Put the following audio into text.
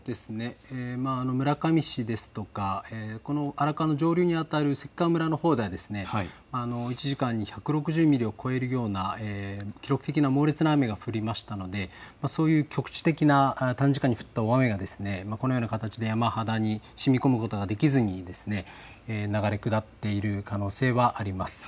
村上市ですとか、荒川の上流にあたる関川村のほうでは１時間に１６０ミリを超えるような記録的な猛烈な雨が降りましたのでそういう局地的な短時間に降った大雨がこのような形で山肌にしみこむことができずに流れ下っている可能性はあります。